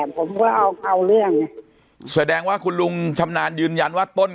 ผมก็เอาเอาเรื่องแสดงว่าคุณลุงชำนาญยืนยันว่าต้น